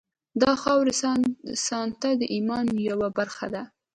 د خاورې ساتنه د ایمان یوه برخه ده.